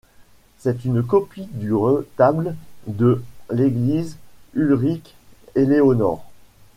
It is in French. C'est une copie du retable de l' église Ulrique-Éléonore.